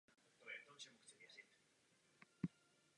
Můj třetí bod se týká letecké dopravy.